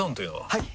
はい！